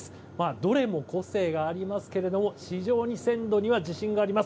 どれも個性がありますけれども非常に鮮度には自信があります。